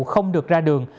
không được ra đường